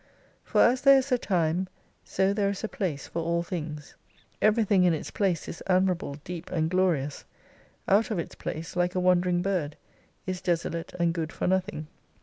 For as there is a time, so there is a place for all things. Everything in its place is admir able, deep, and glorious : out of its place like a wander ing bird, is desolate and good for nothing.